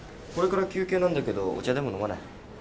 これから休憩なんだけどお茶でも飲まない？